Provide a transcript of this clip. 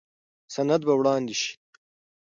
سند به وړاندې شي.